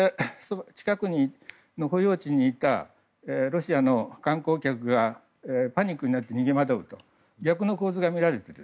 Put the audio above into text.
近くの保養地にいたロシアの観光客がパニックになって逃げ惑うという逆の構図が見られて。